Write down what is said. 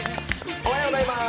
おはようございます。